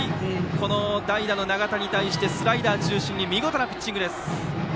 この代打の永田に対してスライダー中心の見事なピッチングでした。